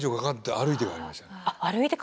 歩いて帰りました。